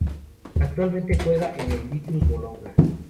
Actualmente juega en el Virtus Bologna.